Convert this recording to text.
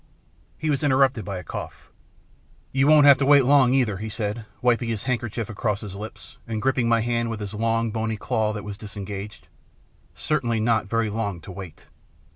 He was interrupted by a cough. " You won't have long to wait, either," he said, wiping his handkerchief across his lips, and grip ping my hand with his long bony claw that was disengaged. " Certainly not very long to wait."